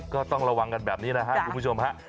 ก็ต้องระวังกันแบบนี้นะครับคุณผู้ชมฮะ